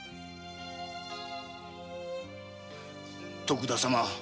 徳田様